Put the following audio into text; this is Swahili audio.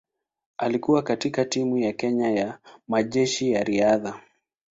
Alikuwa katika timu ya Kenya ya Majeshi ya Riadha.